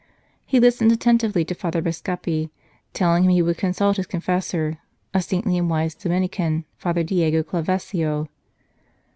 He listened attentively to Father Bascape, telling him he would consult his confessor a saintly and wise Dominican, Father Diego Clavesio.